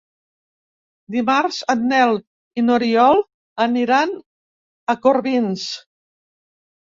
Dimarts en Nel i n'Oriol aniran a Corbins.